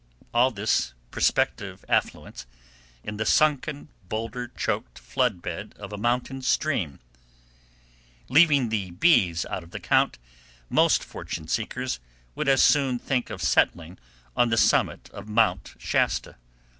All this prospective affluence in the sunken, boulder choked flood bed of a mountain stream! Leaving the bees out of the count, most fortune seekers would as soon think of settling on the summit of Mount Shasta.